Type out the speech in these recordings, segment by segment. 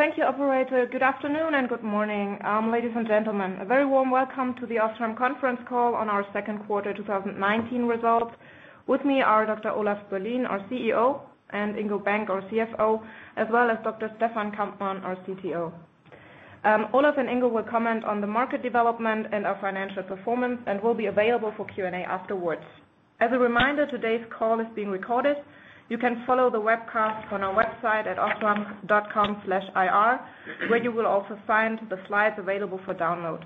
Thank you operator. Good afternoon and good morning, ladies and gentlemen. A very warm welcome to the OSRAM conference call on our second quarter 2019 results. With me are Dr. Olaf Berlien, our CEO, and Ingo Bank, our CFO, as well as Dr. Stefan Kampmann, our CTO. Olaf and Ingo will comment on the market development and our financial performance and will be available for Q&A afterwards. As a reminder, today's call is being recorded. You can follow the webcast on our website at osram.com/ir, where you will also find the slides available for download.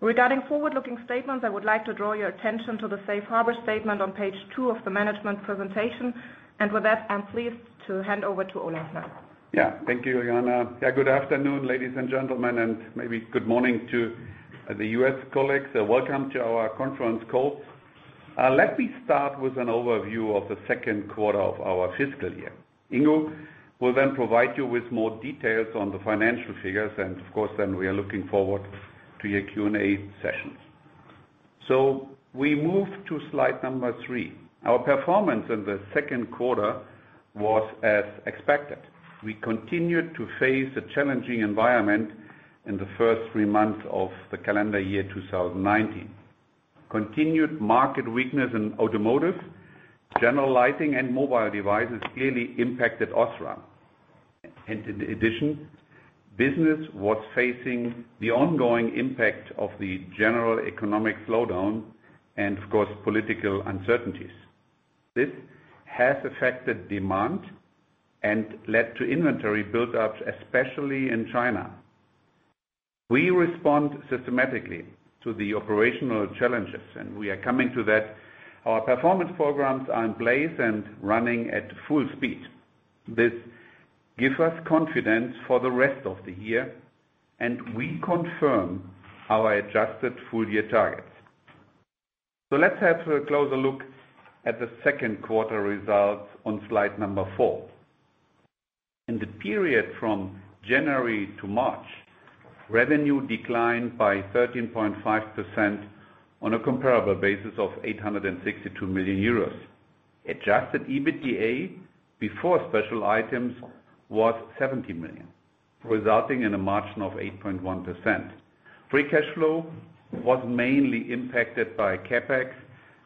Regarding forward-looking statements, I would like to draw your attention to the safe harbor statement on page two of the management presentation. With that, I am pleased to hand over to Olaf now. Yeah, thank you, Juliana. Good afternoon, ladies and gentlemen, and maybe good morning to the U.S. colleagues. Welcome to our conference call. Let me start with an overview of the second quarter of our fiscal year. Ingo will provide you with more details on the financial figures and, of course, we are looking forward to your Q&A sessions. We move to slide number three. Our performance in the second quarter was as expected. We continued to face a challenging environment in the first three months of the calendar year 2019. Continued market weakness in automotive, general lighting and mobile devices clearly impacted OSRAM. In addition, business was facing the ongoing impact of the general economic slowdown and of course, political uncertainties. This has affected demand and led to inventory build-ups, especially in China. We respond systematically to the operational challenges, we are coming to that. Our performance programs are in place and running at full speed. This gives us confidence for the rest of the year, and we confirm our adjusted full-year targets. Let's have a closer look at the second quarter results on slide number four. In the period from January to March, revenue declined by 13.5% on a comparable basis of 862 million euros. Adjusted EBITDA before special items was 70 million, resulting in a margin of 8.1%. Free cash flow was mainly impacted by CapEx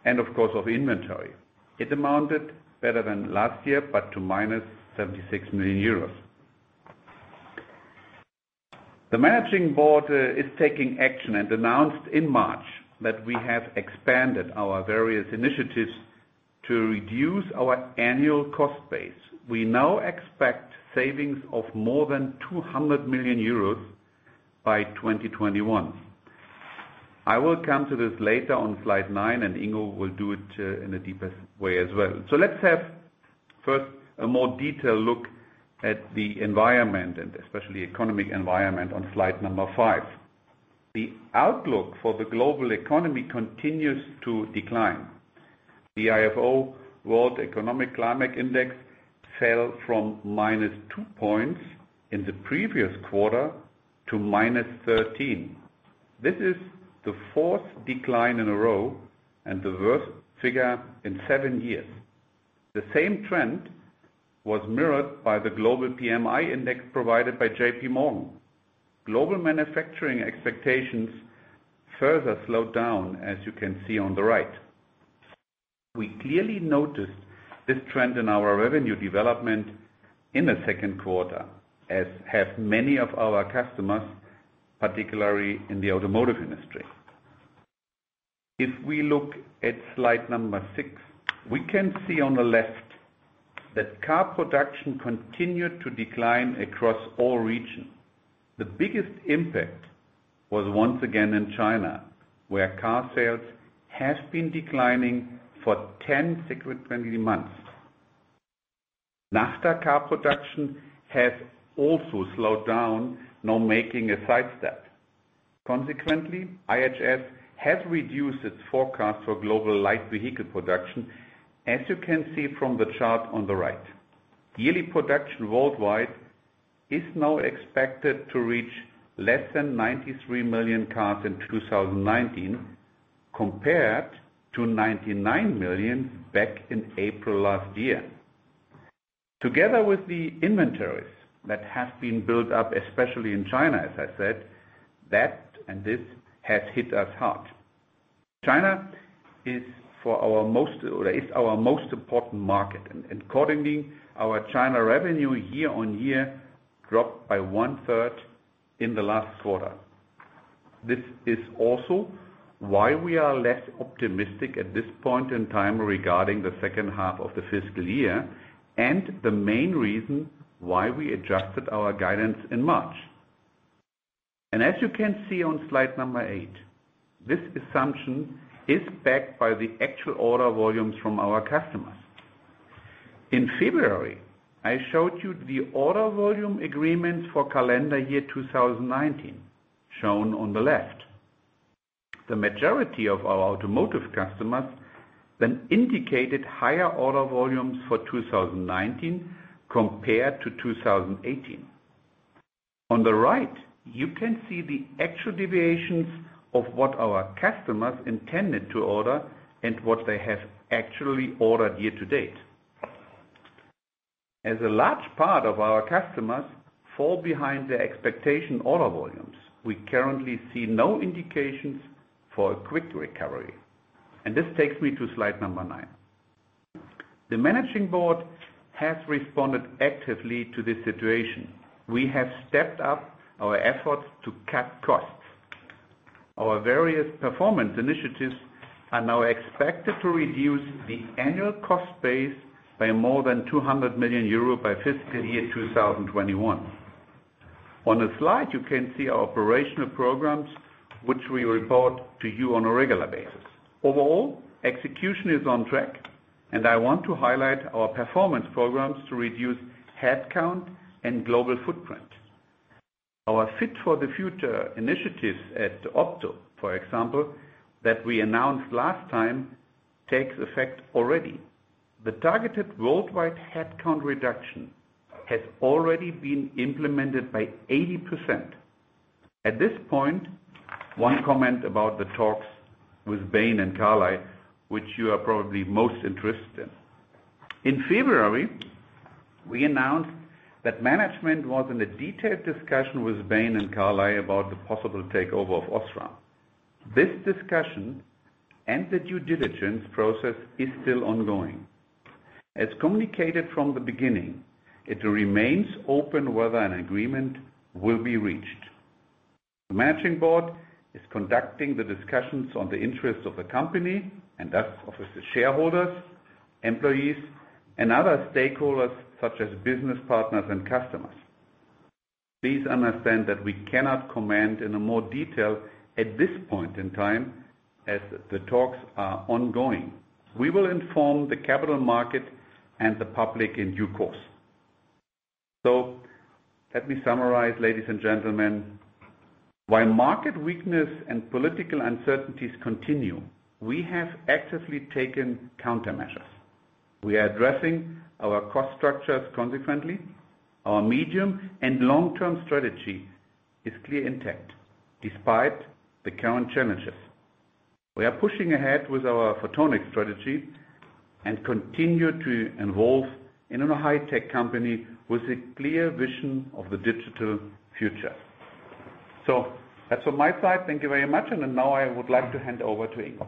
and of course of inventory. It amounted better than last year, but to minus 76 million euros. The managing board is taking action and announced in March that we have expanded our various initiatives to reduce our annual cost base. We now expect savings of more than 200 million euros by 2021. I will come to this later on slide nine, Ingo will do it in a deeper way as well. Let's have first a more detailed look at the environment and especially economic environment on slide number five. The outlook for the global economy continues to decline. The ifo World Economic Climate Index fell from minus two points in the previous quarter to minus 13. This is the fourth decline in a row and the worst figure in seven years. The same trend was mirrored by the J.P. Morgan Global PMI Index. Global manufacturing expectations further slowed down, as you can see on the right. We clearly noticed this trend in our revenue development in the second quarter, as have many of our customers, particularly in the automotive industry. If we look at slide six, we can see on the left that car production continued to decline across all regions. The biggest impact was once again in China, where car sales have been declining for 10 consecutive months. NAFTA car production has also slowed down, now making a sidestep. Consequently, IHS has reduced its forecast for global light vehicle production, as you can see from the chart on the right. Yearly production worldwide is now expected to reach less than 93 million cars in 2019, compared to 99 million back in April last year. Together with the inventories that have been built up, especially in China, as I said, that and this has hit us hard. China is our most important market, and accordingly, our China revenue year-on-year dropped by one-third in the last quarter. This is also why we are less optimistic at this point in time regarding the second half of the fiscal year, and the main reason why we adjusted our guidance in March. As you can see on slide eight, this assumption is backed by the actual order volumes from our customers. In February, I showed you the order volume agreements for calendar year 2019, shown on the left. The majority of our automotive customers then indicated higher order volumes for 2019 compared to 2018. On the right, you can see the actual deviations of what our customers intended to order and what they have actually ordered year-to-date. As a large part of our customers fall behind their expectation order volumes, we currently see no indications for a quick recovery. This takes me to slide nine. The managing board has responded actively to this situation. We have stepped up our efforts to cut costs. Our various performance initiatives are now expected to reduce the annual cost base by more than 200 million euro by fiscal year 2021. On the slide, you can see our operational programs, which we report to you on a regular basis. Overall, execution is on track, and I want to highlight our performance programs to reduce headcount and global footprint. Our Fit for the Future initiatives at Opto, for example, that we announced last time, takes effect already. The targeted worldwide headcount reduction has already been implemented by 80%. At this point, one comment about the talks with Bain and Carlyle, which you are probably most interested in. In February, we announced that management was in a detailed discussion with Bain and Carlyle about the possible takeover of OSRAM. This discussion and the due diligence process is still ongoing. As communicated from the beginning, it remains open whether an agreement will be reached. The managing board is conducting the discussions on the interests of the company, and thus of the shareholders, employees, and other stakeholders such as business partners and customers. Please understand that we cannot comment in more detail at this point in time as the talks are ongoing. We will inform the capital market and the public in due course. Let me summarize, ladies and gentlemen. While market weakness and political uncertainties continue, we have actively taken countermeasures. We are addressing our cost structures consequently. Our medium and long-term strategy is clear intact despite the current challenges. We are pushing ahead with our photonic strategy and continue to evolve in a high-tech company with a clear vision of the digital future. That's on my side. Thank you very much. Now I would like to hand over to Ingo.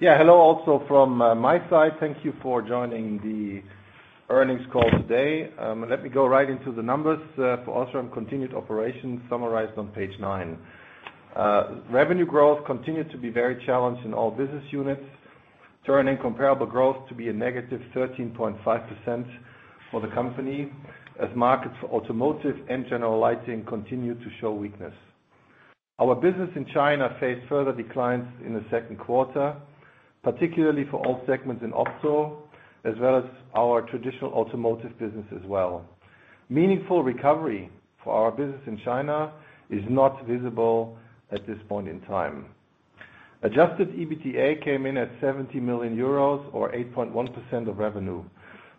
Hello, also from my side. Thank you for joining the earnings call today. Let me go right into the numbers for OSRAM continued operation summarized on page nine. Revenue growth continued to be very challenged in all business units, turning comparable growth to be a negative 13.5% for the company, as markets for automotive and general lighting continued to show weakness. Our business in China faced further declines in the second quarter, particularly for all segments in Opto, as well as our traditional automotive business as well. Meaningful recovery for our business in China is not visible at this point in time. Adjusted EBITDA came in at 70 million euros or 8.1% of revenue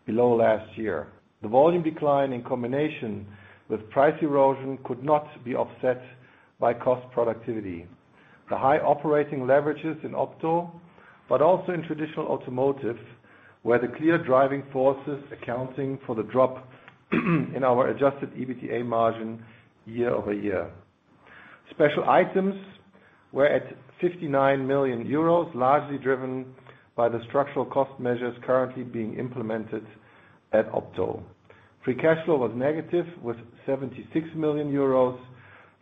below last year. The volume decline in combination with price erosion could not be offset by cost productivity. The high operating leverages in Opto, but also in traditional automotive, were the clear driving forces accounting for the drop in our adjusted EBITDA margin year-over-year. Special items were at 59 million euros, largely driven by the structural cost measures currently being implemented at Opto. Free cash flow was negative with 76 million euros.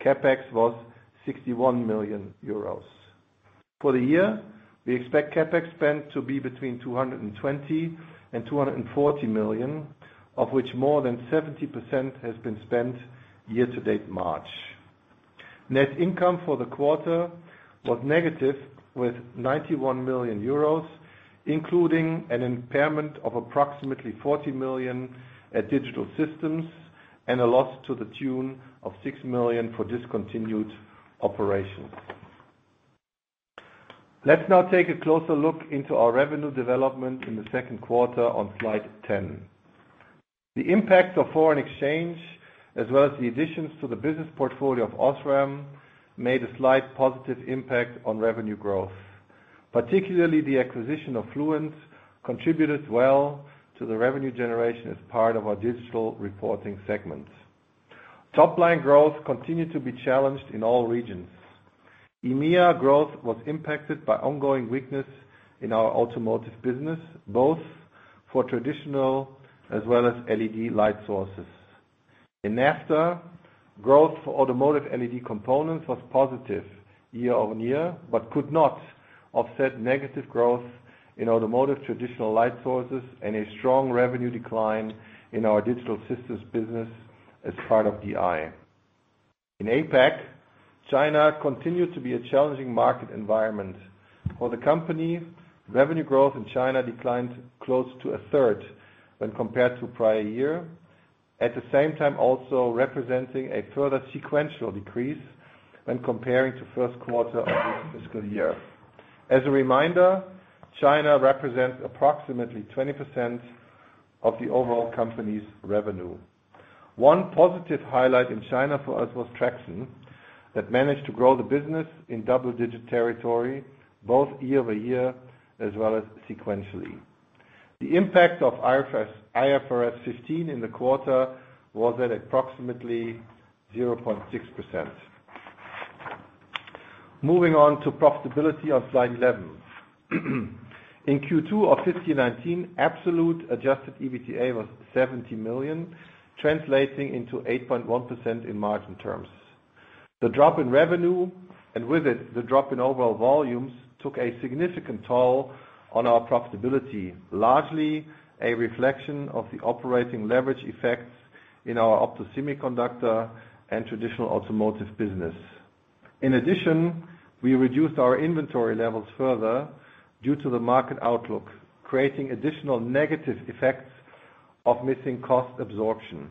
CapEx was 61 million euros. For the year, we expect CapEx spend to be between 220 million-240 million, of which more than 70% has been spent year-to-date March. Net income for the quarter was negative with 91 million euros, including an impairment of approximately 40 million at Digital Systems and a loss to the tune of 6 million for discontinued operations. Let's now take a closer look into our revenue development in the second quarter on slide 10. The impact of foreign exchange as well as the additions to the business portfolio of OSRAM made a slight positive impact on revenue growth. Particularly the acquisition of Fluence contributed well to the revenue generation as part of our digital reporting segment. Topline growth continued to be challenged in all regions. EMEA growth was impacted by ongoing weakness in our automotive business, both for traditional as well as LED light sources. In NAFTA, growth for automotive LED components was positive year-over-year, but could not offset negative growth in automotive traditional light sources and a strong revenue decline in our Digital Systems business as part of DI. In APAC, China continued to be a challenging market environment. For the company, revenue growth in China declined close to a third when compared to prior year. At the same time, also representing a further sequential decrease when comparing to first quarter of this fiscal year. As a reminder, China represents approximately 20% of the overall company's revenue. One positive highlight in China for us was Traxon, that managed to grow the business in double-digit territory, both year-over-year as well as sequentially. The impact of IFRS 15 in the quarter was at approximately 0.6%. Moving on to profitability on slide 11. In Q2 of 2019, absolute adjusted EBITDA was 70 million, translating into 8.1% in margin terms. The drop in revenue, and with it, the drop in overall volumes, took a significant toll on our profitability, largely a reflection of the operating leverage effects in our Opto Semiconductors and traditional Automotive business. In addition, we reduced our inventory levels further due to the market outlook, creating additional negative effects of missing cost absorption.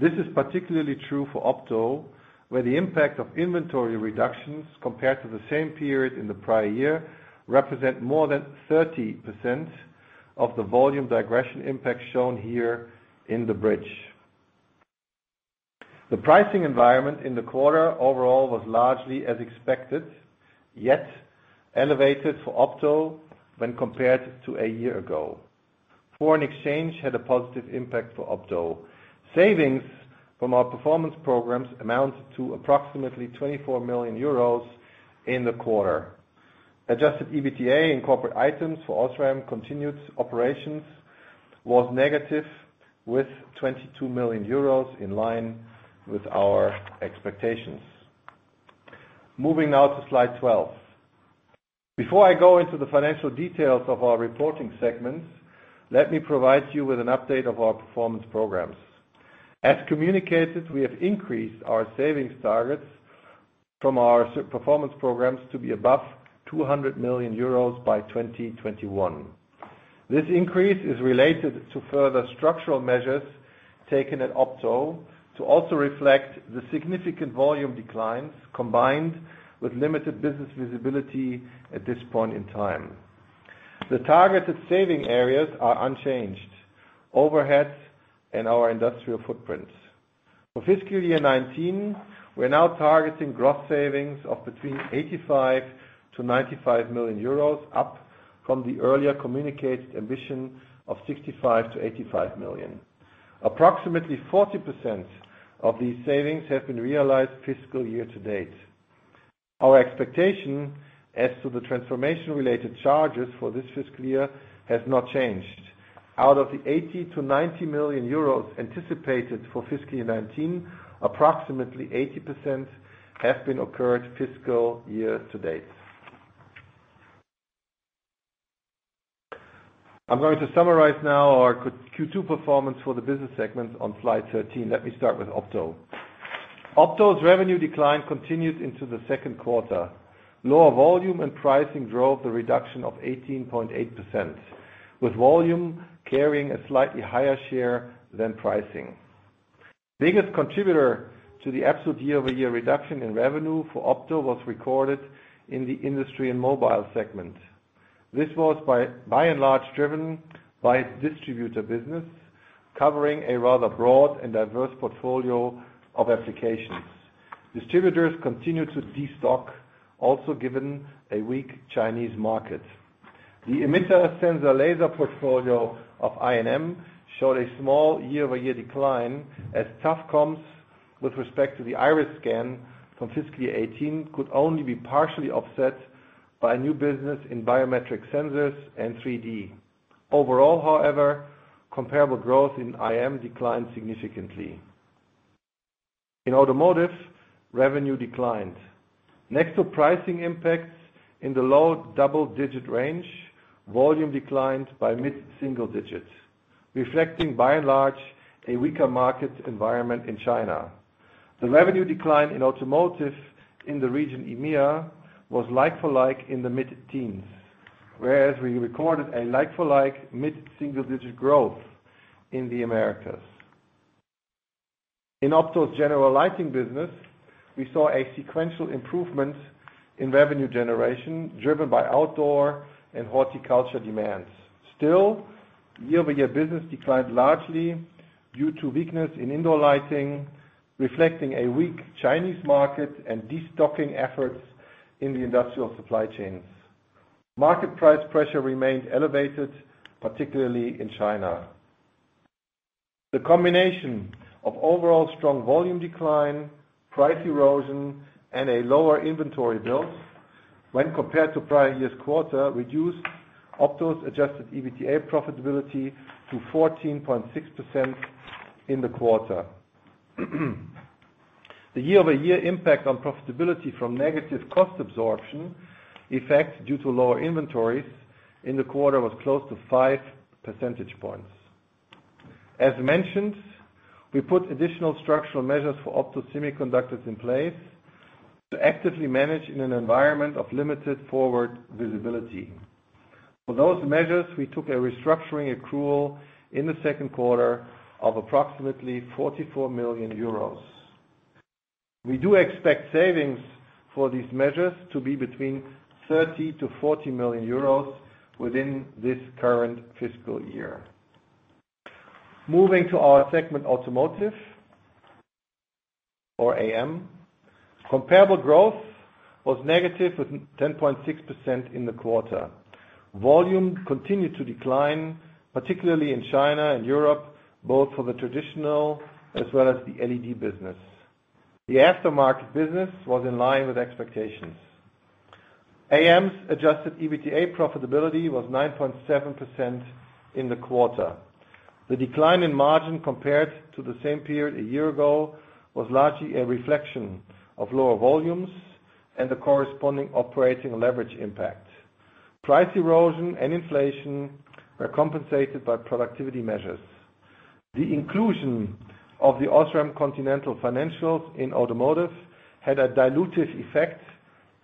This is particularly true for Opto, where the impact of inventory reductions compared to the same period in the prior year represent more than 30% of the volume digression impact shown here in the bridge. The pricing environment in the quarter overall was largely as expected, yet elevated for Opto when compared to a year ago. Foreign exchange had a positive impact for Opto. Savings from our performance programs amount to approximately 24 million euros in the quarter. Adjusted EBITDA and corporate items for OSRAM continued operations was negative with 22 million euros, in line with our expectations. Moving now to slide 12. Before I go into the financial details of our reporting segments, let me provide you with an update of our performance programs. As communicated, we have increased our savings targets from our performance programs to be above 200 million euros by 2021. This increase is related to further structural measures taken at Opto to also reflect the significant volume declines, combined with limited business visibility at this point in time. The targeted saving areas are unchanged: overheads and our industrial footprints. For fiscal year 2019, we're now targeting gross savings of between 85 million-95 million euros, up from the earlier communicated ambition of 65 million-85 million. Approximately 40% of these savings have been realized fiscal year to date. Our expectation as to the transformation-related charges for this fiscal year has not changed. Out of the 80 million-90 million euros anticipated for fiscal year 2019, approximately 80% have been occurred fiscal year to date. I'm going to summarize now our Q2 performance for the business segments on slide 13. Let me start with Opto. Opto's revenue decline continued into the second quarter. Lower volume and pricing drove the reduction of 18.8%, with volume carrying a slightly higher share than pricing. Biggest contributor to the absolute year-over-year reduction in revenue for Opto was recorded in the Industrial & Medical segment. This was by and large driven by its distributor business, covering a rather broad and diverse portfolio of applications. Distributors continue to de-stock, also given a weak Chinese market. The emitter sensor laser portfolio of IM showed a small year-over-year decline as tough comms with respect to the iris scan from fiscal year 2018 could only be partially offset by a new business in biometric sensors and 3D. Overall, however, comparable growth in IM declined significantly. In Automotive, revenue declined. Next to pricing impacts in the low double-digit range, volume declined by mid-single digits, reflecting by and large a weaker market environment in China. The revenue decline in Automotive in the region EMEA was like for like in the mid-teens, whereas we recorded a like for like mid-single digit growth in the Americas. In Opto's general lighting business, we saw a sequential improvement in revenue generation driven by outdoor and horticulture demands. Still, year-over-year business declined largely due to weakness in indoor lighting, reflecting a weak Chinese market and de-stocking efforts in the industrial supply chains. Market price pressure remained elevated, particularly in China. The combination of overall strong volume decline, price erosion, and a lower inventory build when compared to prior year's quarter reduced Opto's adjusted EBITDA profitability to 14.6% in the quarter. The year-over-year impact on profitability from negative cost absorption effects due to lower inventories in the quarter was close to five percentage points. As mentioned, we put additional structural measures for Opto Semiconductors in place to actively manage in an environment of limited forward visibility. For those measures, we took a restructuring accrual in the second quarter of approximately 44 million euros. We do expect savings for these measures to be between 30 million to 40 million euros within this current fiscal year. Moving to our segment Automotive, or AM. Comparable growth was negative with 10.6% in the quarter. Volume continued to decline, particularly in China and Europe, both for the traditional as well as the LED business. The aftermarket business was in line with expectations. AM's adjusted EBITDA profitability was 9.7% in the quarter. The decline in margin compared to the same period a year ago was largely a reflection of lower volumes and the corresponding operating leverage impact. Price erosion and inflation were compensated by productivity measures. The inclusion of the Osram Continental financials in Automotive had a dilutive effect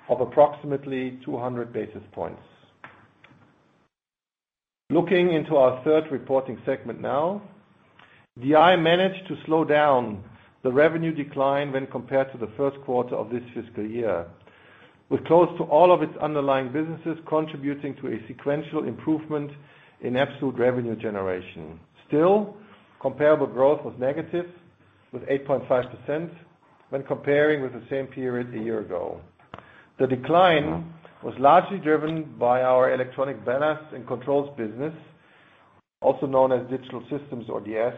of approximately 200 basis points. Looking into our third reporting segment now. DI managed to slow down the revenue decline when compared to the first quarter of this fiscal year, with close to all of its underlying businesses contributing to a sequential improvement in absolute revenue generation. Still, comparable growth was negative with 8.5% when comparing with the same period a year ago. The decline was largely driven by our electronic ballasts and controls business, also known as Digital Systems or DS,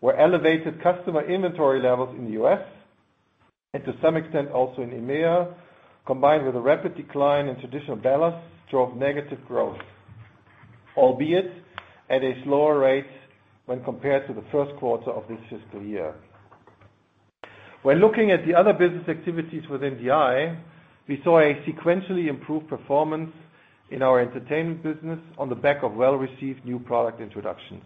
where elevated customer inventory levels in the U.S., and to some extent also in EMEA, combined with a rapid decline in traditional ballasts, drove negative growth. Albeit at a slower rate when compared to the first quarter of this fiscal year. When looking at the other business activities within DI, we saw a sequentially improved performance in our entertainment business on the back of well-received new product introductions.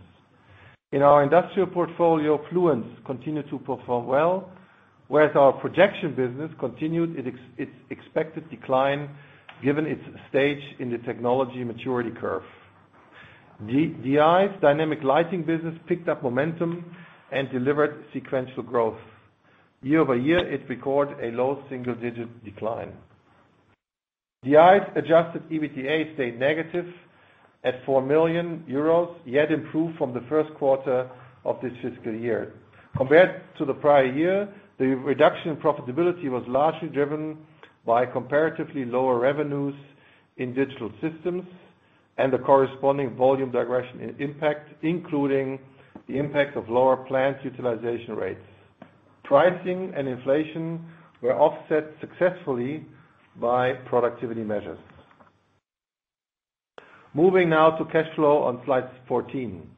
In our industrial portfolio, Fluence continued to perform well, whereas our projection business continued its expected decline given its stage in the technology maturity curve. DI's dynamic lighting business picked up momentum and delivered sequential growth. Year-over-year, it recorded a low single-digit decline. DI's adjusted EBITDA stayed negative at 4 million euros, yet improved from the first quarter of this fiscal year. Compared to the prior year, the reduction in profitability was largely driven by comparatively lower revenues in Digital Systems and the corresponding volume regression impact, including the impact of lower plant utilization rates. Pricing and inflation were offset successfully by productivity measures. Moving now to cash flow on slide 14.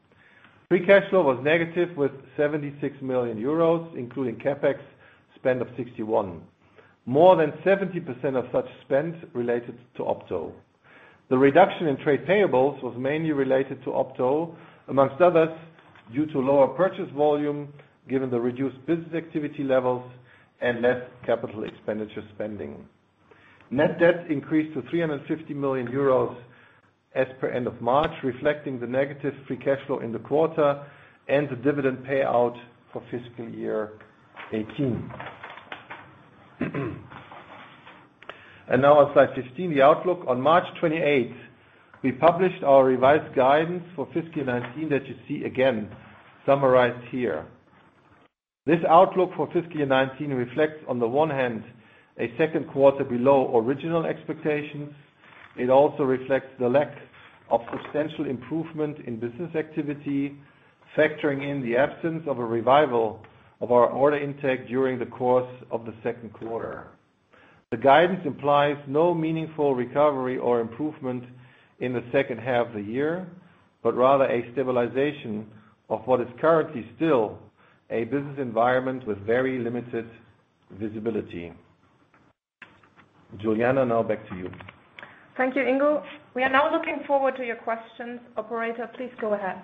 Free cash flow was negative with 76 million euros, including CapEx spend of 61 million. More than 70% of such spend related to Opto. The reduction in trade payables was mainly related to Opto, among others, due to lower purchase volume given the reduced business activity levels and less capital expenditure spending. Net debt increased to 350 million euros as per end of March, reflecting the negative free cash flow in the quarter and the dividend payout for fiscal year 2018. Now on slide 15, the outlook. On March 28th, we published our revised guidance for fiscal year 2019 that you see again summarized here. This outlook for fiscal year 2019 reflects on the one hand, a second quarter below original expectations. It also reflects the lack of substantial improvement in business activity, factoring in the absence of a revival of our order intake during the course of the second quarter. The guidance implies no meaningful recovery or improvement in the second half of the year, but rather a stabilization of what is currently still a business environment with very limited visibility. Juliana, now back to you. Thank you, Ingo. We are now looking forward to your questions. Operator, please go ahead.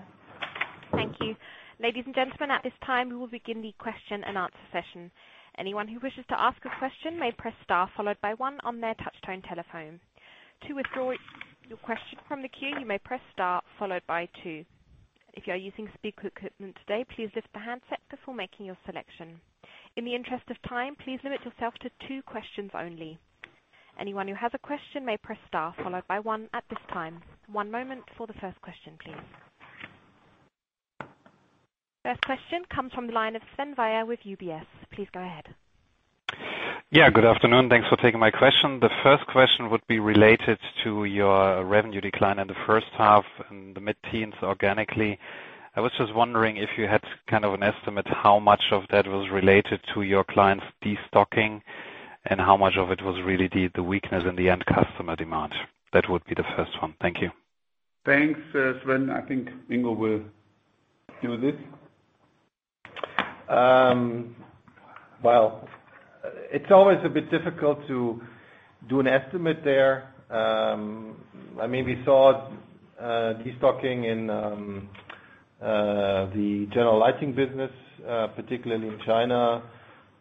Thank you. Ladies and gentlemen, at this time, we will begin the question and answer session. Anyone who wishes to ask a question may press star followed by one on their touch-tone telephone. To withdraw your question from the queue, you may press star followed by two. If you are using speaker equipment today, please lift the handset before making your selection. In the interest of time, please limit yourself to two questions only. Anyone who has a question may press star followed by one at this time. One moment for the first question, please. First question comes from the line of Sven Weyers with UBS. Please go ahead. Yeah, good afternoon. Thanks for taking my question. The first question would be related to your revenue decline in the first half and the mid-teens organically. I was just wondering if you had an estimate how much of that was related to your clients' de-stocking, and how much of it was really the weakness in the end customer demand. That would be the first one. Thank you. Thanks, Sven. I think Ingo will do this. Well, it's always a bit difficult to do an estimate there. We saw de-stocking in the general lighting business, particularly in China.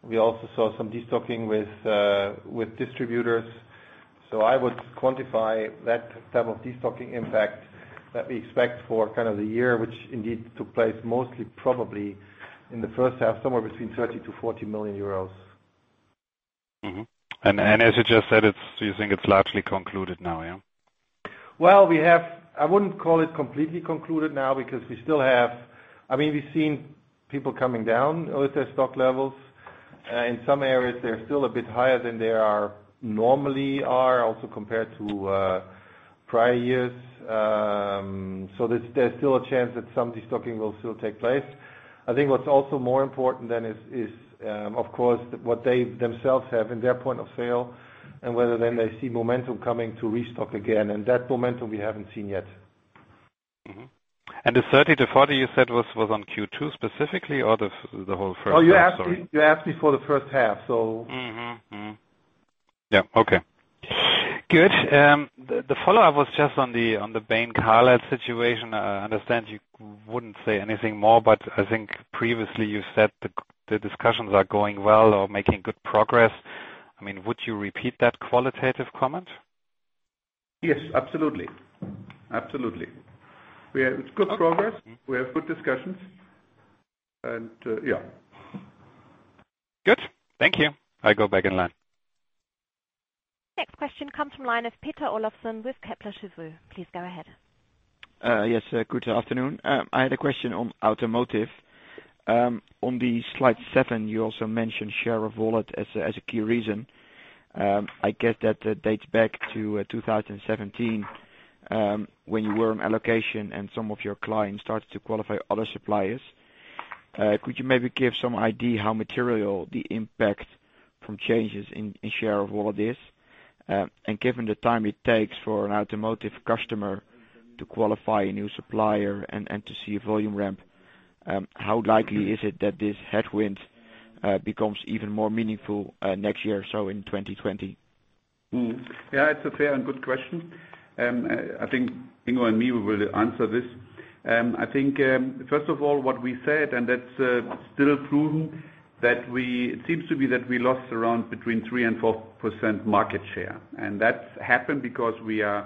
We also saw some de-stocking with distributors. I would quantify that type of destocking impact that we expect for the year, which indeed took place mostly probably in the first half, somewhere between 30 million to 40 million euros. Mm-hmm. As you just said, you think it's largely concluded now, yeah? Well, I wouldn't call it completely concluded now, because we've seen people coming down with their stock levels. In some areas, they're still a bit higher than they normally are, also compared to prior years. There's still a chance that some destocking will still take place. I think what's also more important then is, of course, what they themselves have in their point of sale and whether then they see momentum coming to restock again. That momentum we haven't seen yet. Mm-hmm. The 30 million to 40 million you said was on Q2 specifically or the whole first half, sorry? Oh, you asked me for the first half, so. Mm-hmm. Yeah. Okay. Good. The follow-up was just on the Bain Carlyle situation. I understand you wouldn't say anything more, but I think previously you said the discussions are going well or making good progress. Would you repeat that qualitative comment? Yes, absolutely. We have good progress. We have good discussions and yeah. Good. Thank you. I go back in line. Next question comes from line of Peter Olofsson with Kepler Cheuvreux. Please go ahead. Yes, good afternoon. I had a question on automotive. On the slide seven, you also mentioned share of wallet as a key reason. I guess that dates back to 2017, when you were in allocation and some of your clients started to qualify other suppliers. Could you maybe give some idea how material the impact from changes in share of wallet is? Given the time it takes for an automotive customer to qualify a new supplier and to see a volume ramp, how likely is it that this headwind becomes even more meaningful next year or so in 2020? Yeah, it's a fair and good question. I think Ingo and me will answer this. I think, first of all, what we said, and that's still proven, it seems to be that we lost around between 3% and 4% market share. That happened because we are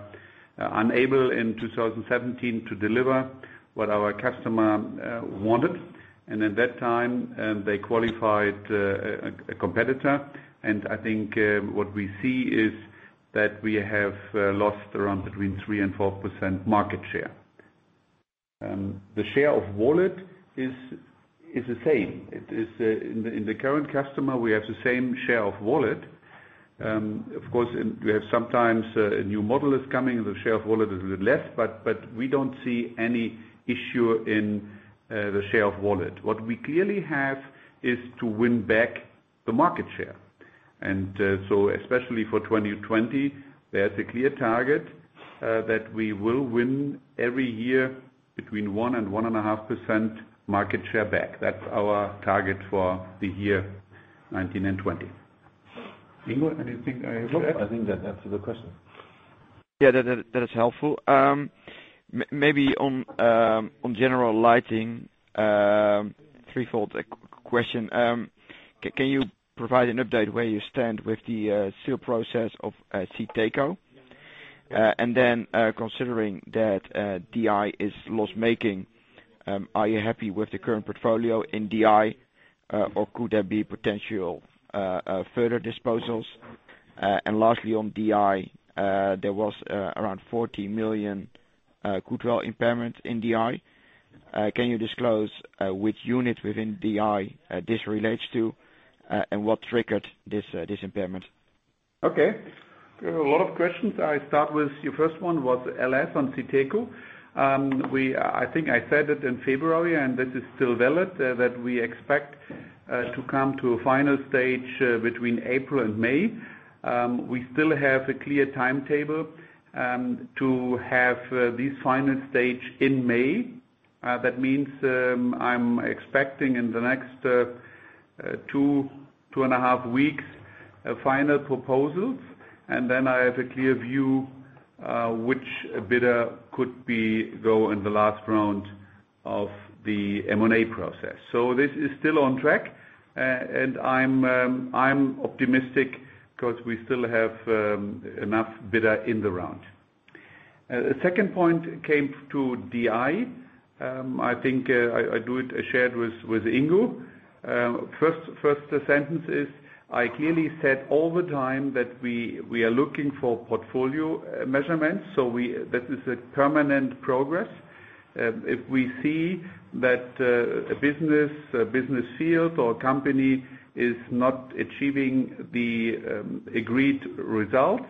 unable in 2017 to deliver what our customer wanted. At that time, they qualified a competitor. I think what we see is that we have lost around between 3% and 4% market share. The share of wallet is the same. In the current customer, we have the same share of wallet. Of course, we have sometimes a new model is coming, the share of wallet is a little less, but we don't see any issue in the share of wallet. What we clearly have is to win back the market share. Especially for 2020, there's a clear target that we will win every year between 1% and 1.5% market share back. That's our target for the year 2019 and 2020. Ingo, anything I forgot? No, I think that answered the question. Yeah, that is helpful. Maybe on general lighting, threefold question. Can you provide an update where you stand with the sale process of Siteco? Considering that DI is loss-making, are you happy with the current portfolio in DI? Could there be potential further disposals? Lastly on DI, there was around 40 million goodwill impairment in DI. Can you disclose which unit within DI this relates to, and what triggered this impairment? Okay. A lot of questions. I start with your first one was LS on Siteco. I think I said it in February, and this is still valid, that we expect to come to a final stage between April and May. We still have a clear timetable to have this final stage in May. That means I'm expecting in the next two and a half weeks, final proposals. I have a clear view which bidder could go in the last round of the M&A process. This is still on track. I'm optimistic because we still have enough bidder in the round. Second point came to DI. I think I do it shared with Ingo. First sentence is I clearly said all the time that we are looking for portfolio measurements. That is a permanent progress. If we see that a business field or company is not achieving the agreed results,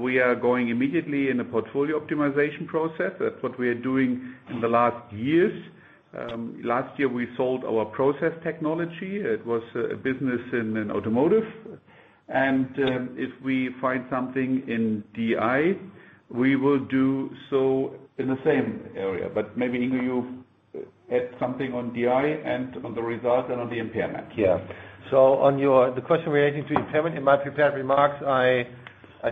we are going immediately in a portfolio optimization process. That's what we are doing in the last years. Last year, we sold our process technology. It was a business in automotive. If we find something in DI, we will do so in the same area. Maybe, Ingo, you add something on DI and on the result and on the impairment. On the question relating to impairment, in my prepared remarks, I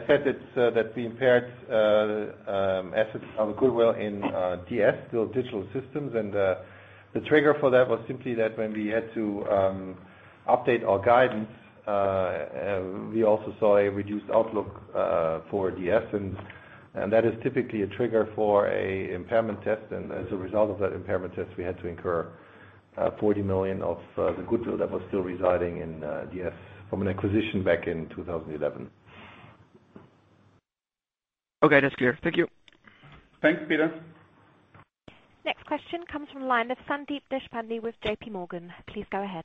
said that we impaired assets of goodwill in DS, Digital Systems, and the trigger for that was simply that when we had to update our guidance. We also saw a reduced outlook for DS, that is typically a trigger for an impairment test. As a result of that impairment test, we had to incur 40 million of the goodwill that was still residing in DS from an acquisition back in 2011. Okay, that's clear. Thank you. Thanks, Peter. Next question comes from the line of Sandeep Deshpande with J.P. Morgan. Please go ahead.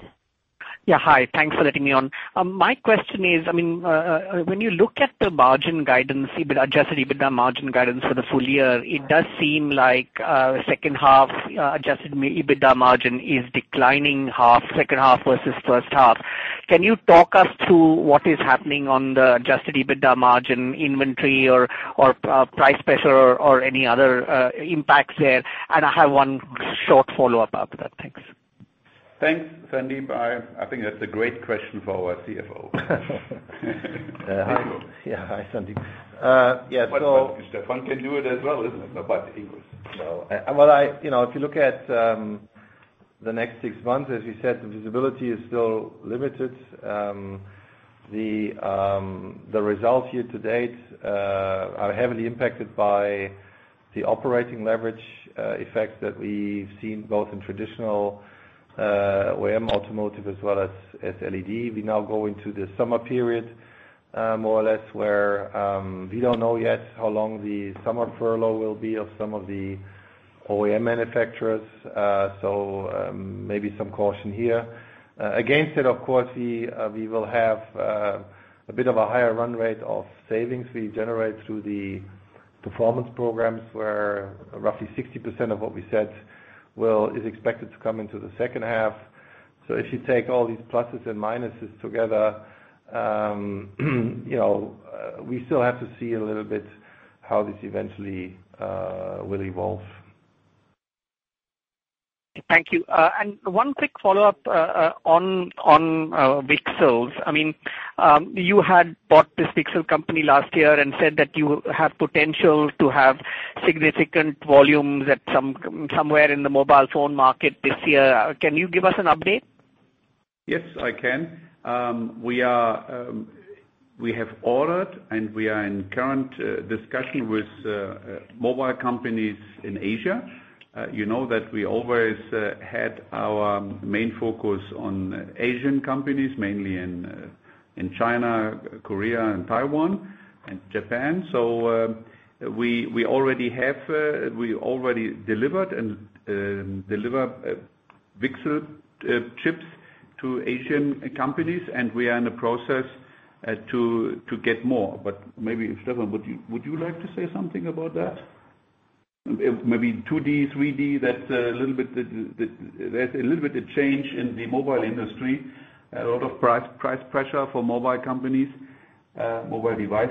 Yeah. Hi. Thanks for letting me on. My question is, when you look at the margin guidance, adjusted EBITDA margin guidance for the full year, it does seem like second half adjusted EBITDA margin is declining second half versus first half. Can you talk us through what is happening on the adjusted EBITDA margin inventory or price pressure or any other impacts there? I have one short follow-up after that. Thanks. Thanks, Sandeep. I think that's a great question for our CFO, Ingo. Hi, Sandeep. Stefan can do it as well, isn't it, but Ingo. If you look at the next six months, as you said, the visibility is still limited. The results year-to-date are heavily impacted by the operating leverage effect that we've seen both in traditional OEM automotive as well as LED. We now go into the summer period, more or less, where we don't know yet how long the summer furlough will be of some of the OEM manufacturers. Maybe some caution here. Against it, of course, we will have a bit of a higher run rate of savings we generate through the performance programs, where roughly 60% of what we said is expected to come into the second half. If you take all these pluses and minuses together, we still have to see a little bit how this eventually will evolve. Thank you. One quick follow-up, on VCSEL. You had bought this VCSEL company last year and said that you have potential to have significant volumes somewhere in the mobile phone market this year. Can you give us an update? Yes, I can. We have ordered and we are in current discussion with mobile companies in Asia. You know that we always had our main focus on Asian companies, mainly in China, Korea and Taiwan and Japan. We already delivered and deliver VCSEL chips to Asian companies, and we are in the process to get more, but maybe Stefan, would you like to say something about that? Maybe 2D, 3D, there's a little bit of change in the mobile industry. A lot of price pressure for mobile device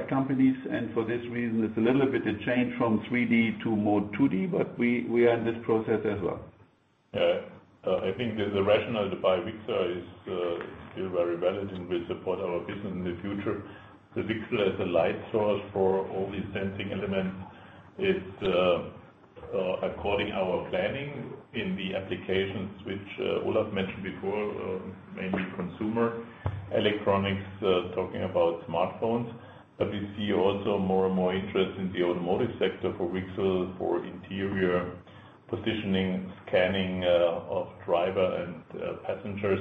companies. For this reason, it's a little bit of change from 3D to more 2D, but we are in this process as well. I think the rationale to buy VCSEL is still very valid and will support our business in the future. The VCSEL as a light source for all these sensing elements is according our planning in the applications which Olaf mentioned before, mainly consumer electronics, talking about smartphones. We see also more and more interest in the automotive sector for VCSEL, for interior positioning, scanning of driver and passengers.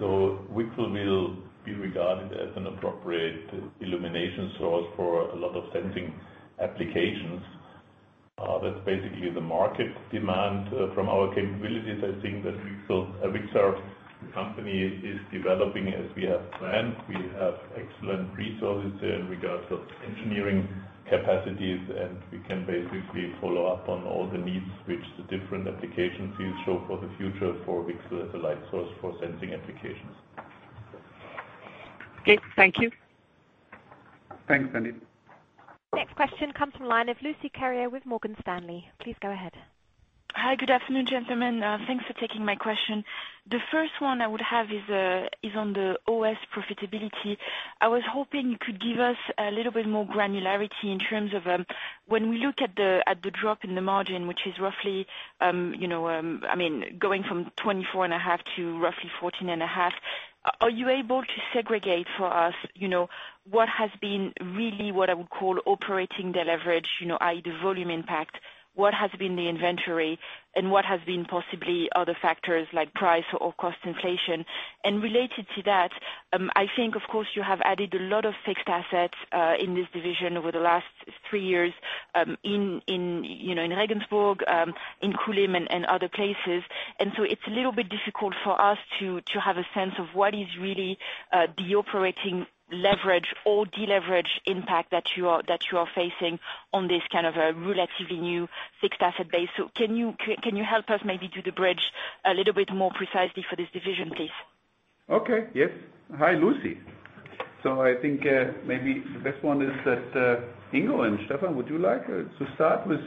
VCSEL will be regarded as an appropriate illumination source for a lot of sensing applications. That's basically the market demand from our capabilities. I think that VCSEL company is developing as we have planned. We have excellent resources in regards of engineering capacities, and we can basically follow up on all the needs which the different application fields show for the future for VCSEL as a light source for sensing applications. Okay. Thank you. Thanks, Sandeep. Next question comes from line of Lucie Carrier with Morgan Stanley. Please go ahead. Hi. Good afternoon, gentlemen. Thanks for taking my question. The first one I would have is on the OS profitability. I was hoping you could give us a little bit more granularity in terms of when we look at the drop in the margin, which is roughly going from 24.5% to roughly 14.5%. Are you able to segregate for us what has been really what I would call operating the leverage, i.e., the volume impact, what has been the inventory and what has been possibly other factors like price or cost inflation? Related to that, I think, of course, you have added a lot of fixed assets in this division over the last three years in Regensburg, in Kulim and other places. It's a little bit difficult for us to have a sense of what is really the operating leverage or deleverage impact that you are facing on this kind of a relatively new fixed asset base. Can you help us maybe do the bridge a little bit more precisely for this division, please? Okay. Yes. Hi, Lucie. I think maybe the best one is that Ingo and Stefan, would you like to start with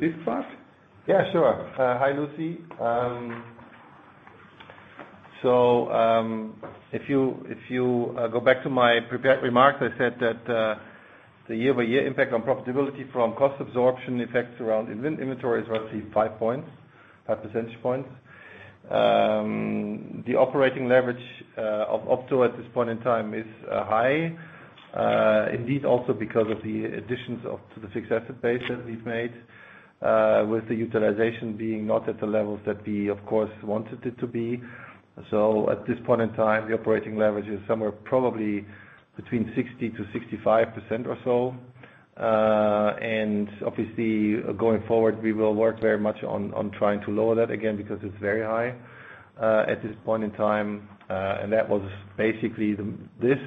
this part? Yeah, sure. Hi, Lucie. If you go back to my prepared remarks, I said that the year-over-year impact on profitability from cost absorption effects around inventory is roughly five percentage points. The operating leverage of Opto at this point in time is high. Indeed, also because of the additions to the fixed asset base that we've made, with the utilization being not at the levels that we, of course, wanted it to be. At this point in time, the operating leverage is somewhere probably between 60%-65% or so. Obviously, going forward, we will work very much on trying to lower that again because it's very high at this point in time. That was basically this,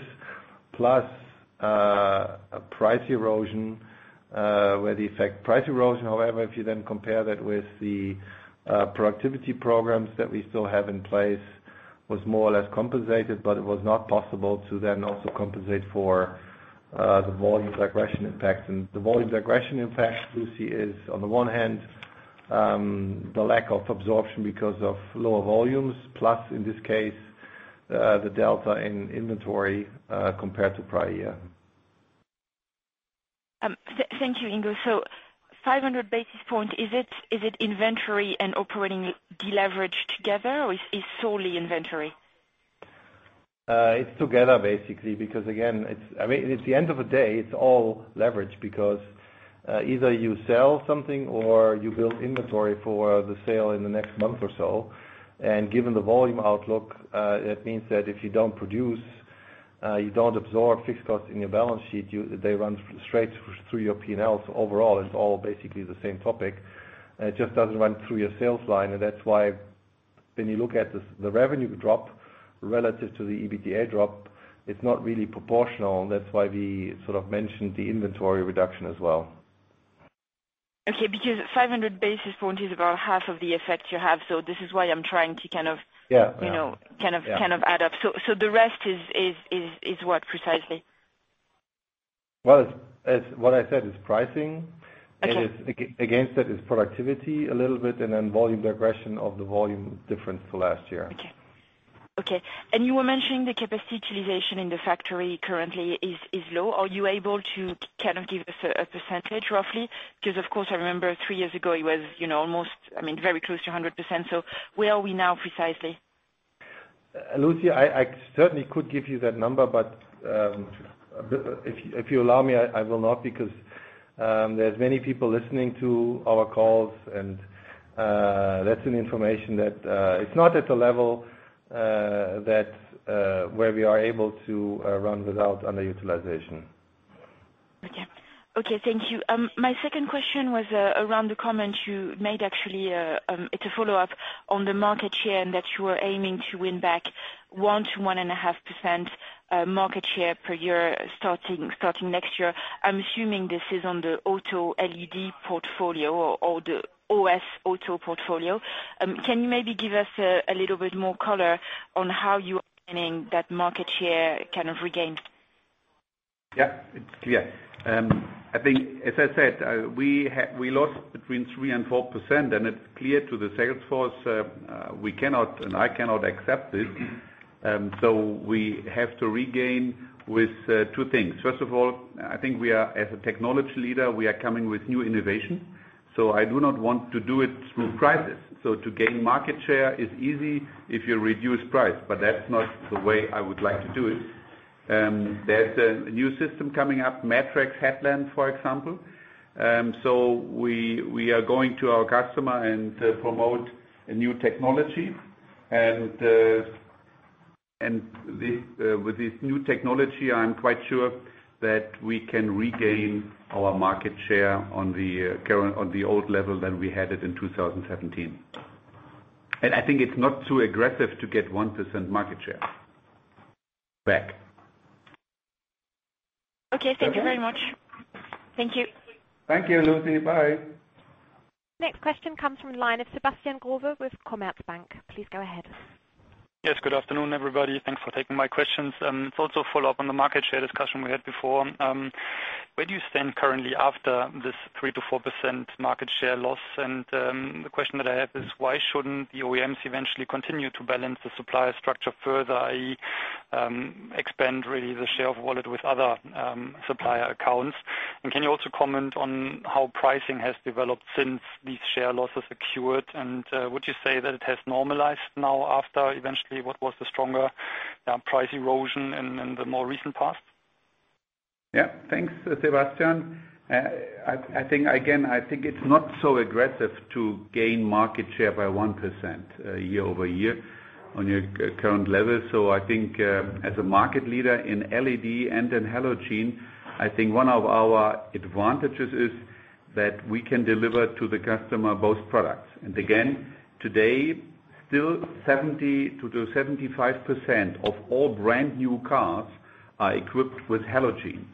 plus price erosion, where the effect price erosion, however, if you then compare that with the productivity programs that we still have in place, was more or less compensated, but it was not possible to then also compensate for the volume regression impacts. The volume regression impact, Lucie, is on the one hand, the lack of absorption because of lower volumes, plus, in this case, the delta in inventory compared to prior year. Thank you, Ingo. 500 basis points, is it inventory and operating deleverage together, or is it solely inventory? It's together basically, because again, at the end of the day, it's all leverage because either you sell something or you build inventory for the sale in the next month or so. Given the volume outlook, it means that if you don't produce, you don't absorb fixed costs in your balance sheet. They run straight through your P&L. Overall, it's all basically the same topic. It just doesn't run through your sales line. That's why when you look at the revenue drop relative to the EBITDA drop, it's not really proportional. That's why we sort of mentioned the inventory reduction as well. Okay, because 500 basis points is about half of the effect you have. This is why I'm trying to- Yeah add up. The rest is what precisely? Well, what I said is pricing. Okay. Against that is productivity a little bit, and then volume regression of the volume difference to last year. Okay. You were mentioning the capacity utilization in the factory currently is low. Are you able to give us a percentage roughly? Because, of course, I remember three years ago, it was very close to 100%. Where are we now precisely? Lucie, I certainly could give you that number, but if you allow me, I will not, because there's many people listening to our calls, and that's an information that it's not at a level where we are able to run without underutilization. Okay. Thank you. My second question was around the comment you made actually. It's a follow-up on the market share and that you are aiming to win back 1%-1.5% market share per year starting next year. I'm assuming this is on the auto LED portfolio or the OS auto portfolio. Can you maybe give us a little bit more color on how you are finding that market share regained? I think, as I said, we lost between 3% and 4%. It is clear to the sales force, we cannot, and I cannot accept this. We have to regain with two things. First of all, I think as a technology leader, we are coming with new innovation. I do not want to do it through prices. To gain market share is easy if you reduce price, but that's not the way I would like to do it. There's a new system coming up, Matrix Headlamp, for example. We are going to our customer and promote a new technology. With this new technology, I am quite sure that we can regain our market share on the old level than we had it in 2017. I think it's not too aggressive to get 1% market share back. Okay. Thank you very much. Thank you. Thank you, Lucie. Bye. Next question comes from line of Sebastian Growe with Commerzbank. Please go ahead. Yes, good afternoon, everybody. Thanks for taking my questions. It's also a follow-up on the market share discussion we had before. Where do you stand currently after this 3%-4% market share loss? The question that I have is why shouldn't the OEMs eventually continue to balance the supplier structure further, i.e., expand really the share of wallet with other supplier accounts? Can you also comment on how pricing has developed since these share losses occurred? Would you say that it has normalized now after eventually what was the stronger price erosion in the more recent past? Yeah. Thanks, Sebastian. Again, I think it's not so aggressive to gain market share by 1% year-over-year on your current level. I think as a market leader in LED and in halogen, I think one of our advantages is that we can deliver to the customer both products. Again, today, still 70%-75% of all brand-new cars are equipped with halogen.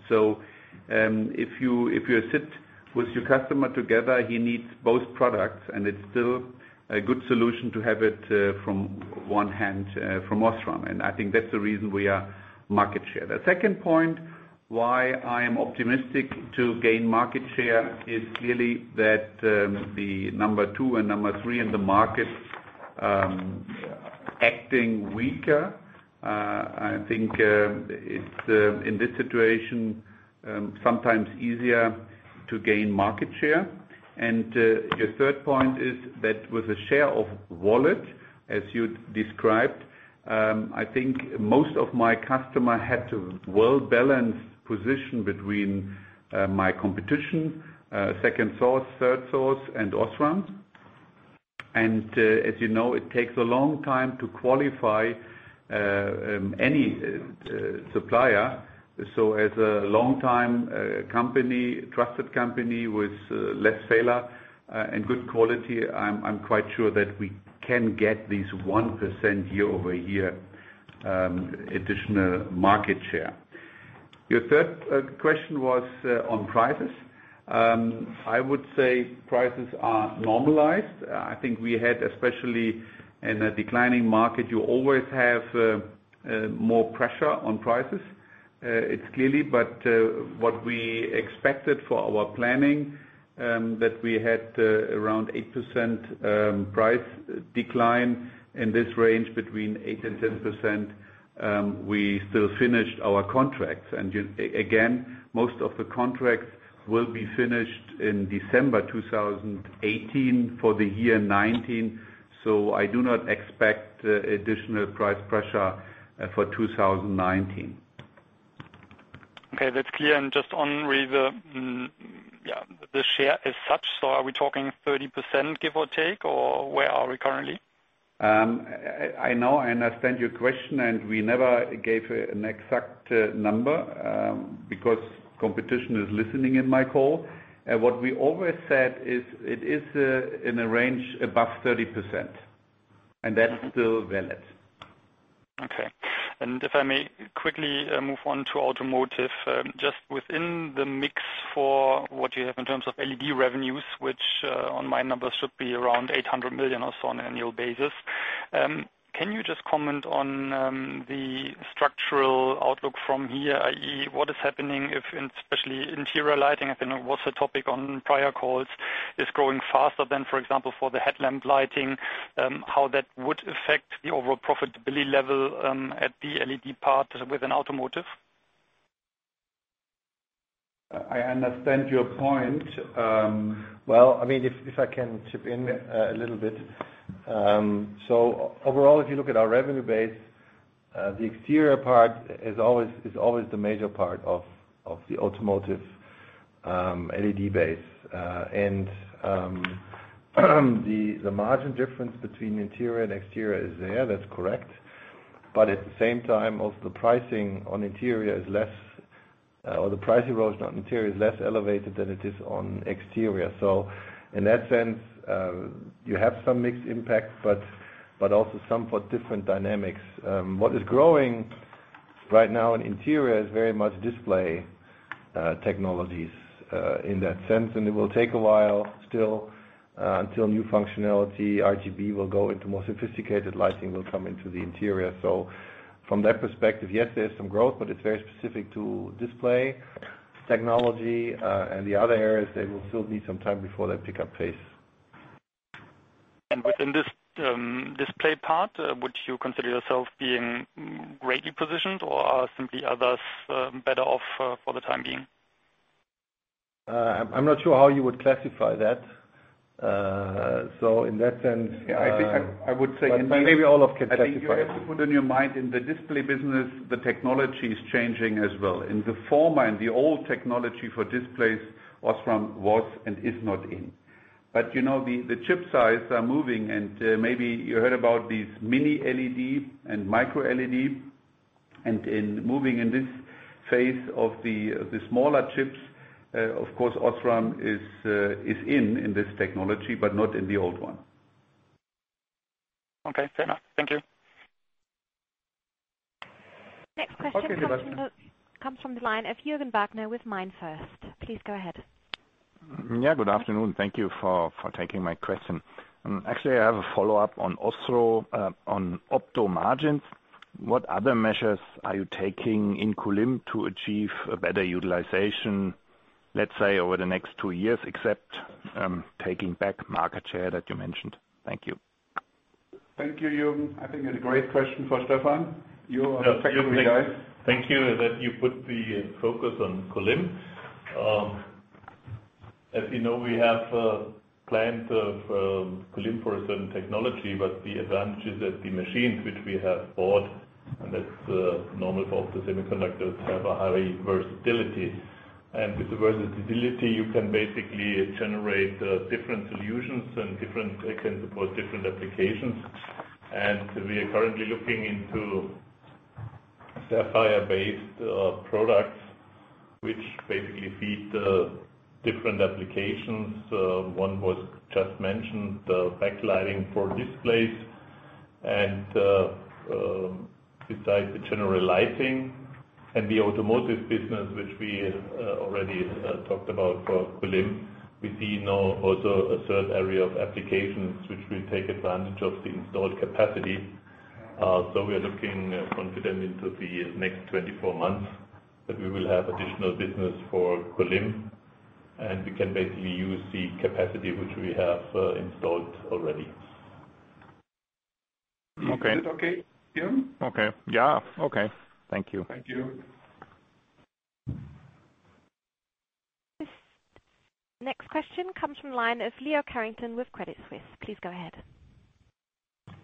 If you sit with your customer together, he needs both products, and it's still a good solution to have it from one hand from OSRAM. I think that's the reason we are market share. The second point Why I am optimistic to gain market share is clearly that the number 2 and number 3 in the market are acting weaker. I think it's, in this situation, sometimes easier to gain market share. Your third point is that with a share of wallet, as you described, I think most of my customer had to well-balance position between my competition, second source, third source, and OSRAM. As you know, it takes a long time to qualify any supplier. As a long-time company, trusted company with less failure and good quality, I'm quite sure that we can get this 1% year-over-year additional market share. Your third question was on prices. I would say prices are normalized. I think we had, especially in a declining market, you always have more pressure on prices. It's clear. What we expected for our planning, that we had around 8% price decline in this range, between 8%-10%, we still finished our contracts. Again, most of the contracts will be finished in December 2018 for the year 2019, so I do not expect additional price pressure for 2019. Okay, that's clear. Just on reserve, the share is such, are we talking 30%, give or take, or where are we currently? I know. I understand your question, we never gave an exact number, because competition is listening in my call. What we always said is it is in a range above 30%, that's still valid. Okay. If I may quickly move on to Automotive, just within the mix for what you have in terms of LED revenues, which on my numbers should be around 800 million or so on an annual basis. Can you just comment on the structural outlook from here, i.e., what is happening if in, especially interior lighting, I don't know what's the topic on prior calls, is growing faster than, for example, for the headlamp lighting, how that would affect the overall profitability level at the LED part within Automotive? I understand your point. Well, if I can chip in a little bit. Overall, if you look at our revenue base, the exterior part is always the major part of the automotive LED base. The margin difference between interior and exterior is there, that's correct. At the same time, also the pricing on interior is less, or the price erosion on interior is less elevated than it is on exterior. In that sense, you have some mixed impact, but also somewhat different dynamics. What is growing right now in interior is very much display technologies in that sense. It will take a while still until new functionality, RGB will go into more sophisticated lighting will come into the interior. From that perspective, yes, there's some growth, but it's very specific to display technology. The other areas, they will still need some time before they pick up pace. Within this display part, would you consider yourself being greatly positioned, or are simply others better off for the time being? I'm not sure how you would classify that. In that sense. Yeah, I think I would say. maybe Olaf can classify that. I think you have to put in your mind, in the display business, the technology's changing as well. In the former and the old technology for displays, OSRAM was and is not in. The chip size are moving, and maybe you heard about these mini LED and micro LED. In moving in this phase of the smaller chips, of course, OSRAM is in in this technology, but not in the old one. Okay, fair enough. Thank you. Next question. Okay, Sebastian. comes from the line of Jürgen Wagner with MainFirst. Please go ahead. Yeah, good afternoon. Thank you for taking my question. Actually, I have a follow-up on OSRAM, on Opto margins. What other measures are you taking in Kulim to achieve a better utilization, let's say, over the next two years, except taking back market share that you mentioned? Thank you. Thank you, Jürgen. I think that's a great question for Stefan. You are the technical guy. Thank you that you put the focus on Kulim. As you know, we have planned Kulim for a certain technology, but the advantage is that the machines which we have bought, and that's normal for the semiconductors, have a high versatility. With the versatility, you can basically generate different solutions and it can support different applications. We are currently looking into sapphire-based products which basically feed the different applications. One was just mentioned, the backlighting for displays. Besides the general lighting and the automotive business, which we already talked about for Kulim. We see now also a third area of applications which will take advantage of the installed capacity. We are looking confident into the next 24 months that we will have additional business for Kulim and we can basically use the capacity which we have installed already. Okay. Is that okay, Juliana? Okay. Yeah, okay. Thank you. Thank you. This next question comes from the line of Leo Carrington with Credit Suisse. Please go ahead.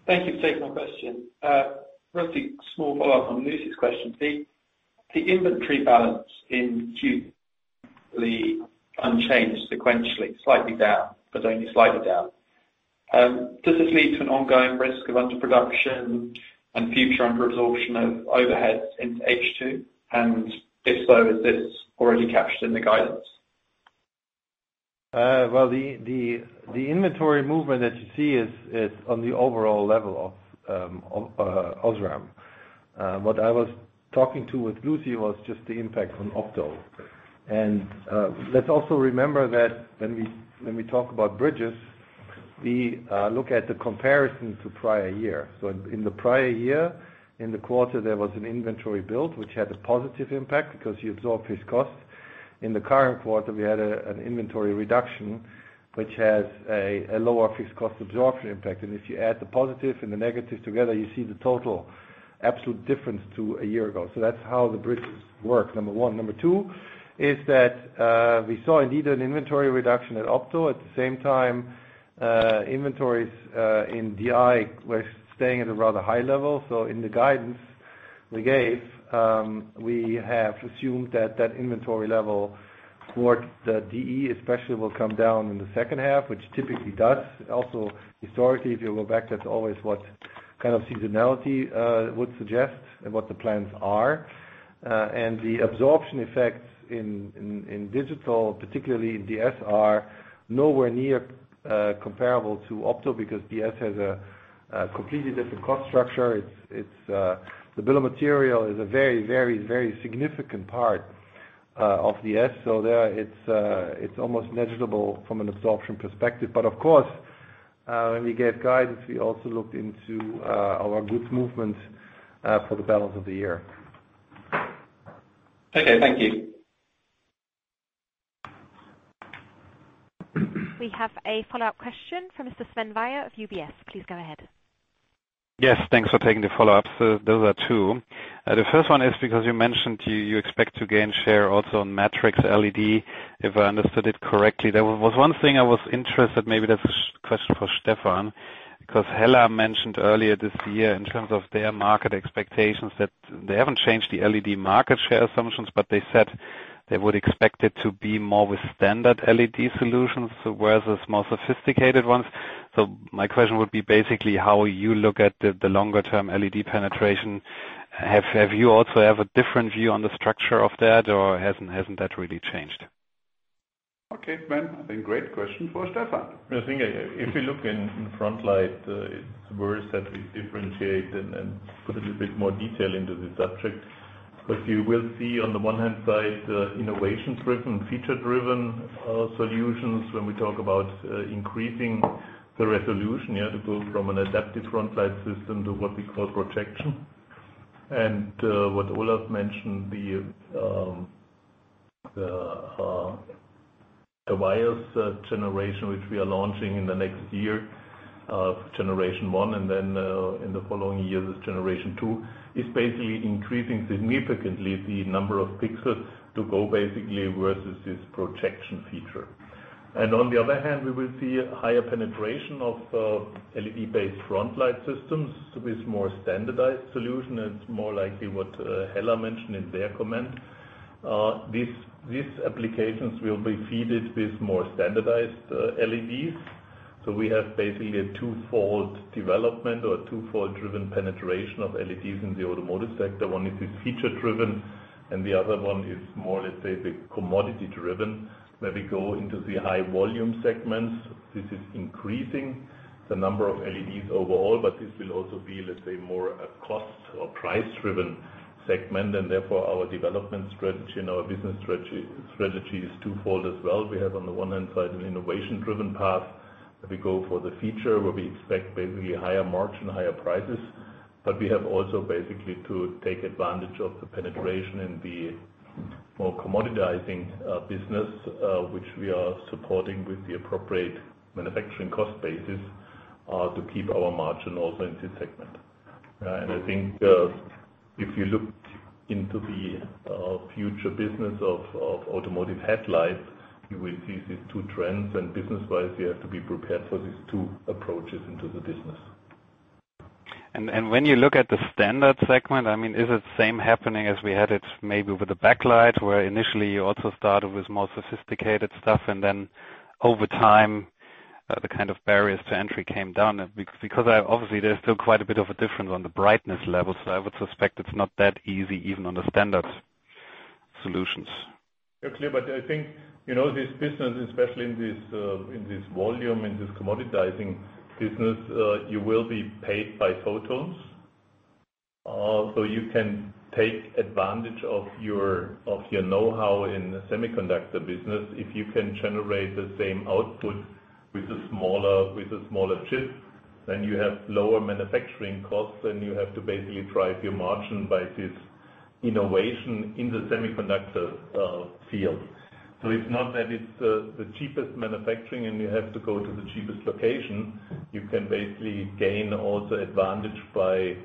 Thank you for taking my question. Roughly small follow-up on Lucie's question. The inventory balance in June, the unchanged sequentially, slightly down, but only slightly down. Does this lead to an ongoing risk of underproduction and future under-absorption of overheads into H2? If so, is this already captured in the guidance? Well, the inventory movement that you see is on the overall level of OSRAM. What I was talking to with Lucie was just the impact on Opto. Let's also remember that when we talk about bridges, we look at the comparison to prior year. In the prior year, in the quarter, there was an inventory build, which had a positive impact because you absorb fixed costs. In the current quarter, we had an inventory reduction, which has a lower fixed cost absorption impact. If you add the positive and the negative together, you see the total absolute difference to a year ago. That's how the bridges work, number one. Number two is that we saw indeed an inventory reduction at Opto. At the same time, inventories in DI were staying at a rather high level. In the guidance we gave, we have assumed that that inventory level towards the DI especially will come down in the second half, which typically does. Also historically, if you go back, that's always what kind of seasonality would suggest and what the plans are. The absorption effects in digital, particularly in DS, are nowhere near comparable to Opto because DS has a completely different cost structure. The bill of material is a very significant part of DS. Of course, when we gave guidance, we also looked into our good movements for the balance of the year. Okay, thank you. We have a follow-up question from Mr. Sven Weyers of UBS. Please go ahead. Yes, thanks for taking the follow-ups. Those are two. The first one is because you mentioned you expect to gain share also on Matrix LED, if I understood it correctly. There was one thing I was interested, maybe that's a question for Stefan, because Hella mentioned earlier this year in terms of their market expectations that they haven't changed the LED market share assumptions, but they said they would expect it to be more with standard LED solutions, whereas more sophisticated ones. My question would be basically how you look at the longer-term LED penetration. Have you also have a different view on the structure of that, or hasn't that really changed? Okay, Sven. I think great question for Stefan. I think if you look in front light, it's worth that we differentiate and put a little bit more detail into the subject. Because you will see on the one-hand side, innovation-driven, feature-driven solutions when we talk about increasing the resolution, to go from an adaptive front light system to what we call projection. What Olaf mentioned, the wires generation, which we are launching in the next year, generation 1, and then in the following years, generation 2, is basically increasing significantly the number of pixels to go basically versus this projection feature. On the other hand, we will see a higher penetration of LED-based front light systems with more standardized solution, and it's more likely what Hella mentioned in their comment. These applications will be fed with more standardized LEDs. We have basically a two-fold development or two-fold driven penetration of LEDs in the automotive sector. One is feature-driven, and the other one is more, let's say, the commodity-driven, where we go into the high volume segments. This is increasing the number of LEDs overall, but this will also be, let's say, more a cost or price-driven segment. Therefore, our development strategy and our business strategy is two-fold as well. We have, on the one-hand side, an innovation-driven path, where we go for the feature where we expect basically higher margin, higher prices. We have also basically to take advantage of the penetration in the more commoditizing business, which we are supporting with the appropriate manufacturing cost basis, to keep our margin also in this segment. I think if you look into the future business of automotive headlights, you will see these two trends, and business-wise, you have to be prepared for these two approaches into the business. When you look at the standard segment, is it same happening as we had it maybe with the backlight, where initially you also started with more sophisticated stuff and then over time, the kind of barriers to entry came down? Because obviously there's still quite a bit of a difference on the brightness level, so I would suspect it's not that easy even on the standard solutions. Yeah, clear. I think this business, especially in this volume, in this commoditizing business, you will be paid by photons. Also, you can take advantage of your know-how in the semiconductor business. If you can generate the same output with a smaller chip, then you have lower manufacturing costs, then you have to basically drive your margin by this innovation in the semiconductor field. It's not that it's the cheapest manufacturing and you have to go to the cheapest location. You can basically gain also advantage by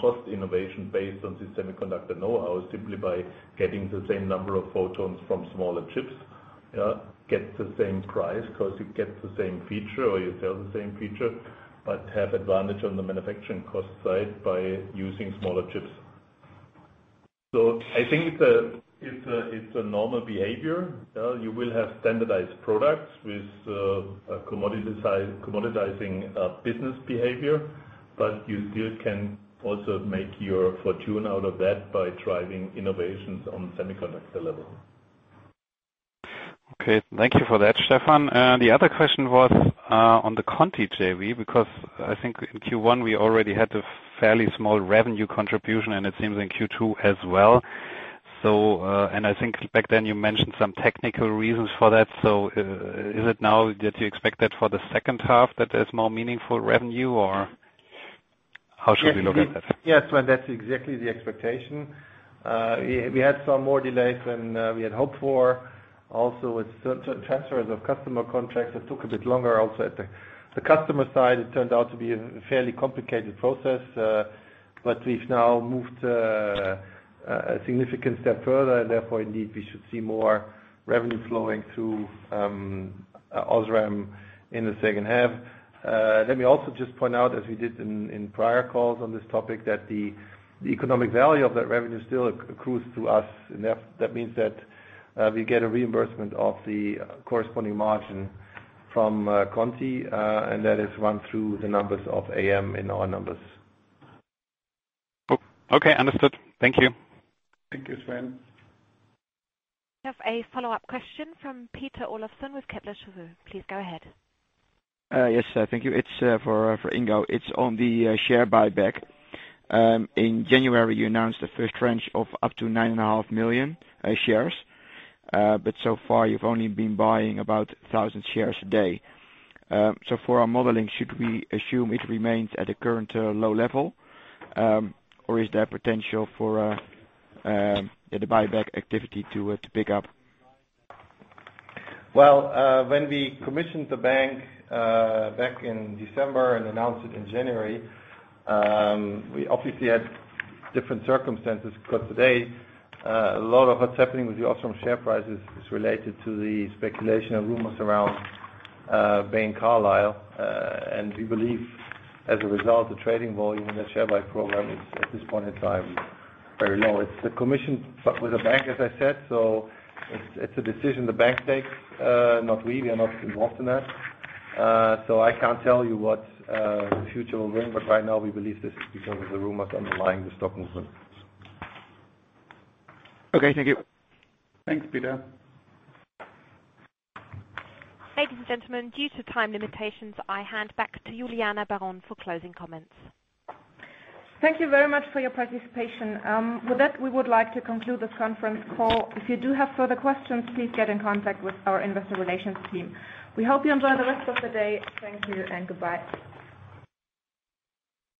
cost innovation based on the semiconductor know-how, simply by getting the same number of photons from smaller chips. Get the same price because you get the same feature or you sell the same feature, but have advantage on the manufacturing cost side by using smaller chips. I think it's a normal behavior. You will have standardized products with a commoditizing business behavior, but you still can also make your fortune out of that by driving innovations on semiconductor level. Okay. Thank you for that, Stefan. The other question was on the Conti JV, because I think in Q1 we already had a fairly small revenue contribution and it seems in Q2 as well. I think back then you mentioned some technical reasons for that. Is it now that you expect that for the second half that there's more meaningful revenue, or how should we look at that? Yes, that's exactly the expectation. We had some more delays than we had hoped for. Also with transfers of customer contracts that took a bit longer also at the customer side, it turned out to be a fairly complicated process. We've now moved a significant step further and therefore indeed we should see more revenue flowing through OSRAM in the second half. Let me also just point out, as we did in prior calls on this topic, that the economic value of that revenue still accrues to us. That means that we get a reimbursement of the corresponding margin from Conti, and that is run through the numbers of AM in our numbers. Okay, understood. Thank you. Thank you, Sven. We have a follow-up question from Peter Olofsson with Kepler Cheuvreux. Please go ahead. Yes, thank you. It's for Ingo. It's on the share buyback. In January, you announced the first tranche of up to 9.5 million shares. So far you've only been buying about 1,000 shares a day. For our modeling, should we assume it remains at the current low level? Is there potential for the buyback activity to pick up? Well, when we commissioned the bank back in December and announced it in January, we obviously had different circumstances, because today a lot of what's happening with the OSRAM share prices is related to the speculation and rumors around Bain Carlyle. We believe as a result, the trading volume in the share buy program is at this point in time very low. It's the commission with a bank, as I said. It's a decision the bank takes, not we. We are not involved in that. I can't tell you what the future will bring, but right now we believe this is because of the rumors underlying the stock movement. Okay, thank you. Thanks, Peter. Ladies and gentlemen, due to time limitations, I hand back to Juliana Baron for closing comments. Thank you very much for your participation. With that, we would like to conclude this conference call. If you do have further questions, please get in contact with our investor relations team. We hope you enjoy the rest of the day. Thank you and goodbye.